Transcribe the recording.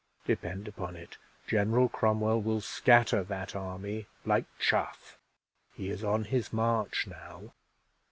Depend upon it, General Cromwell will scatter that army like chaff. He is on his march now.